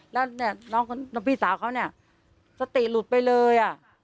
แล้วพี่สาวเขาสติหลุดไปเลย